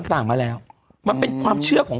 สุริยาจันทราทองเป็นหนังกลางแปลงในบริษัทอะไรนะครับ